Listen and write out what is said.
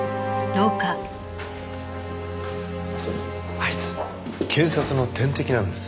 あいつ検察の天敵なんですよ。